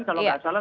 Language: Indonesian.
kalau tidak salah